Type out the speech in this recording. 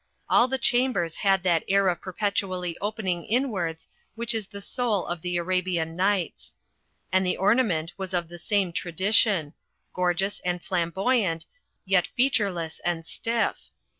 All the chambers had that air of per petually opening inwards which is the soul of the Arabian Nights. And the ornament was of the same tradition; gorgeous and flamboyant, yet Je^ur^gs 144 THE FLYING INN and stiff.